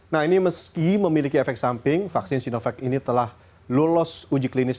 nah ini meski memiliki efek samping vaksin sinovac ini telah lulus uji klinis